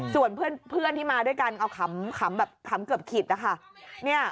ส่วนเพื่อนที่มาด้วยกันเอาขำแบบขำเกือบขิดนะคะ